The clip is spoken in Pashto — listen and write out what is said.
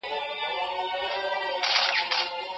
اقتصادي وده د اوږدې مودې تدريجي بدلون ته ويل کيږي.